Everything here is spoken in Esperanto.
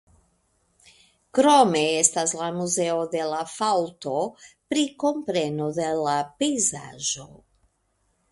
Krome estas la Muzeo de la Faŭlto pri kompreno de la pejzaĝo.